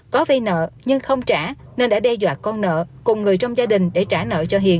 có vi nợ nhưng không trả nên đã đe dọa con nợ cùng người trong gia đình để trả nợ cho hiền